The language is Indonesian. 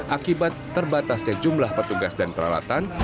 akibat terbatasnya jumlah petugas dan peralatan